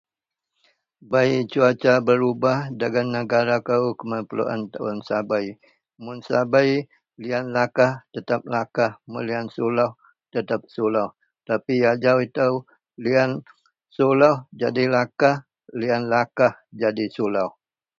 Bei cuaca berubah dagen negara ko keman 10 tahun sabei. Mun sabei lian lakah tetap lakah lian suluh tetap suluh, tapi ajau ito lian suluh jadi lakah lian lakah jadi suluh.